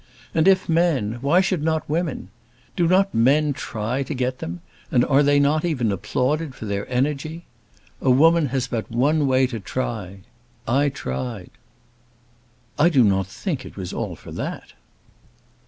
And if men, why should not women? Do not men try to get them; and are they not even applauded for their energy? A woman has but one way to try. I tried." "I do not think it was all for that."